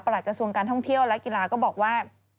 หลักกระทรวงการท่องเที่ยวและกีฬาก็บอกว่า